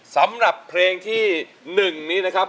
สำหรับเพลงที่๑นี้นะครับ